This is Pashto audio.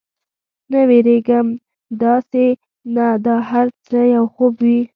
نه، وېرېږم، داسې نه دا هر څه یو خوب وي.